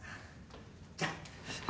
じゃあ。